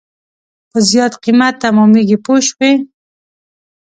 په زیات قیمت تمامېږي پوه شوې!.